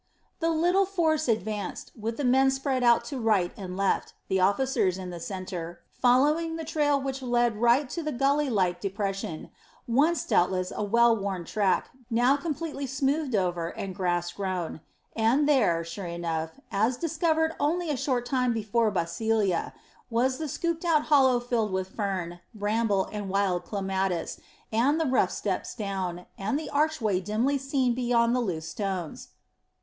The little force advanced, with the men spread out to right and left, the officers in the centre, following the trail which led right to the gully like depression, once doubtless a well worn track, but now completely smoothed over and grass grown; and there, sure enough, as discovered only a short time before by Celia, was the scooped out hollow filled with fern, bramble, and wild clematis, and the rough steps down, and the archway dimly seen beyond the loose stones.